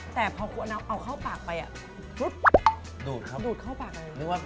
แต่พอคุณเอาเข้าปากไปดูดเข้าปากเลย